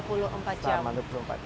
selama dua puluh empat jam